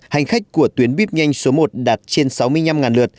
hành khách của tuyến bít nhanh số một đạt trên sáu mươi năm lượt